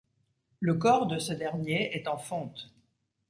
Le corps de ce dernier est en fonte.